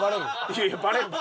いやいやバレんバレん。